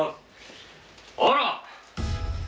あら。